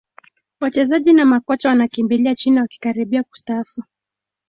wachezaji na makocha wanakimbilia china wakikaribia kustaafu